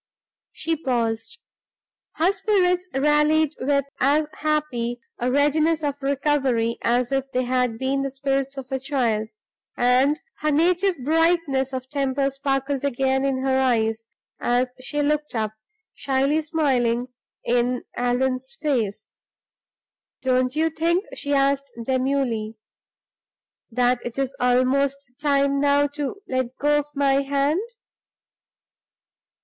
She paused; her spirits rallied with as happy a readiness of recovery as if they had been the spirits of a child; and her native brightness of temper sparkled again in her eyes, as she looked up, shyly smiling in Allan's face. "Don't you think," she asked, demurely, "that it is almost time now to let go of my hand?"